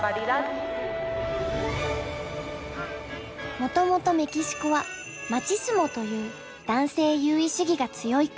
もともとメキシコはマチスモという男性優位主義が強い国。